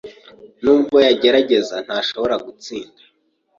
Nubwo yagerageza, ntashobora gutsinda.